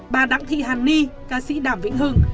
bà đặng thị hàn ni ca sĩ đàm vĩnh hưng